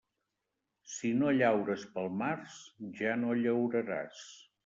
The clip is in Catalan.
Si no llaures pel març, ja no llauraràs.